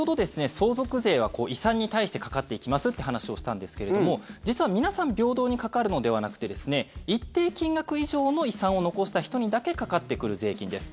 相続税は遺産に対してかかっていきますって話をしたんですけれども実は、皆さん平等にかかるのではなくて一定金額以上の遺産を残した人にだけかかってくる税金です。